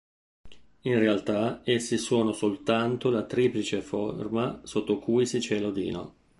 In realtà essi sono soltanto la triplice forma sotto cui si cela Odino.